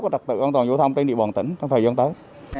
của trật tự an toàn giao thông trên địa bàn tỉnh trong thời gian tới